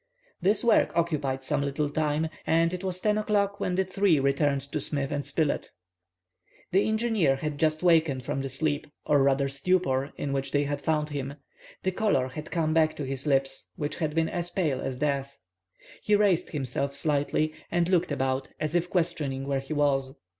This work occupied some little time, and it was 10 o'clock when the three returned to Smith and Spilett. The engineer had just wakened from the sleep, or rather stupor, in which they had found him. The color had come back to his lips, which had been as pale as death. He raised himself slightly, and looked about, as if questioning where he was.